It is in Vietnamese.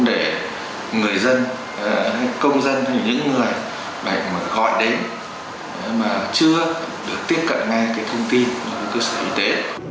những người phải gọi đến mà chưa được tiếp cận ngay cái thông tin về cơ sở y tế